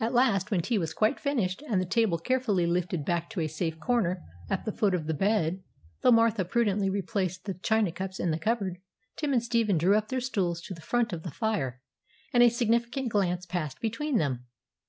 At last, when tea was quite finished, and the table carefully lifted back to a safe corner at the foot of the bed, though Martha prudently replaced the china cups in the cupboard, Tim and Stephen drew up their stools to the front of the fire, and a significant glance passed between them.